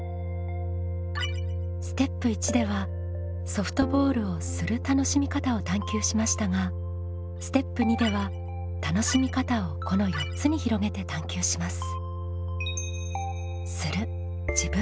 ステップ１ではソフトボールをする楽しみ方を探究しましたがステップ２では楽しみ方をこの４つに広げて探究します。